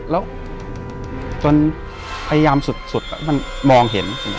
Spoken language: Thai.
แล้วจนพยายามสุดมันมองเห็น